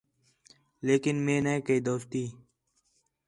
لیکن مئے نَے کَئی دوستی